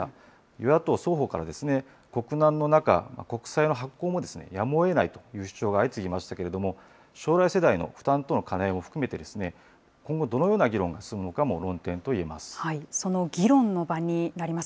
与野党双方から国難の中、国債の発行もやむをえないという主張が相次ぎましたけれども、将来世代の負担との兼ね合いも含めて、今後、どのような議論が進その議論の場になります。